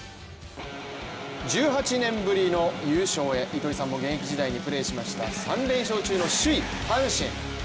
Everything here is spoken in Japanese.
１８年ぶりの優勝へ糸井さんも現役時代にプレーしました、３連勝中の首位・阪神。